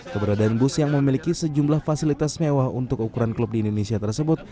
keberadaan bus yang memiliki sejumlah fasilitas mewah untuk ukuran klub di indonesia tersebut